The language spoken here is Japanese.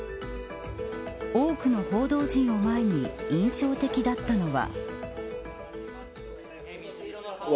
多くの報道陣を前に印象的だったのは。